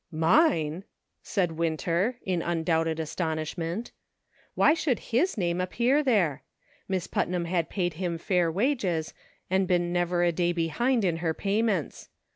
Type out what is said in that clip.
"Mine!" said Winter, in undoubted astonish ment. Why should his name appear there ? Miss Putnam had paid him fair wages, and been never a day behind in her payments.